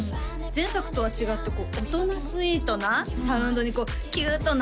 前作とは違って大人スイートなサウンドにキュートな＃